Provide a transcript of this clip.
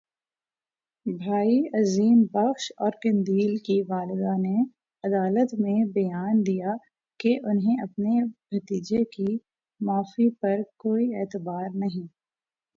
بھائی عظیم بخش اور قندیل کی والدہ نے عدالت میں بیان دیا کہ انہیں اپنے بھتیجے کی معافی پر کوئی اعتبار نہیں